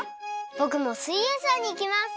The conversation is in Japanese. ぼくも「すイエんサー」にいきます！